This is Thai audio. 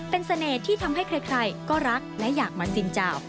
เป็นเสน่ห์ที่ทำให้ใครก็รักและอยากมาซินเจ้า